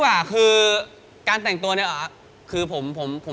เค้าแบบปลามาท์ไปดีคุณเยอะมาก